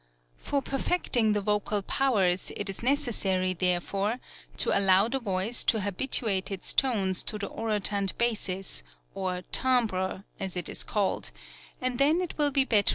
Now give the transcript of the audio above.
For perfecting the vocal powers it is neces sary, therefore, to allow the voice to habituate its tones to the orotund basis, or timbre as it is called, and then it will be better AND VOCAL ILLUSIONS.